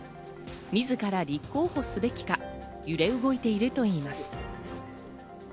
自ら立候補すべきか揺れ動いているといいます。